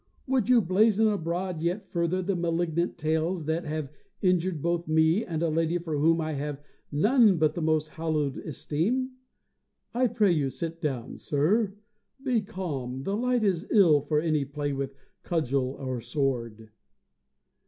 Would you blazon abroad yet further the malignant tales that have injured both me and a lady for whom I have none but the most hallowed esteem? I pray you sit down, Sir; be calm, the light is ill for any play with cudgel or sword.